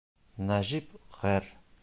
Нәжип ғәр.